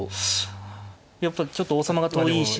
やっぱりちょっと王様が遠いし。